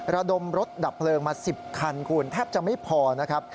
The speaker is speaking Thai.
ระดมรถดับเพลิงมา๑๐คันคุณแทบจะไม่พอนะครับ